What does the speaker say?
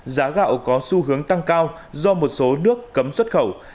giá gạo có xu hướng tăng cao do một số nước cấm xuất khẩu